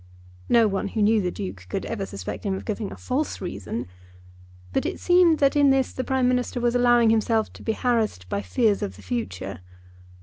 No one who knew the Duke could ever suspect him of giving a false reason. But it seemed that in this the Prime Minister was allowing himself to be harassed by fears of the future.